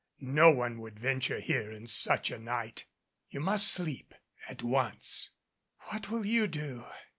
No one would venture here in such a night. You must sleep at once." "What will you do?"